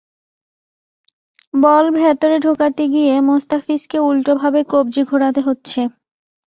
বল ভেতরে ঢোকাতে গিয়ে মোস্তাফিজকে উল্টোভাবে কবজি ঘোরাতে হচ্ছে।